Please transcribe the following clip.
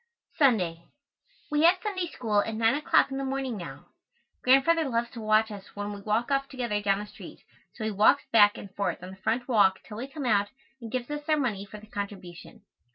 Sunday. We have Sunday School at nine o'clock in the morning now. Grandfather loves to watch us when we walk off together down the street, so he walks back and forth on the front walk till we come out, and gives us our money for the contribution.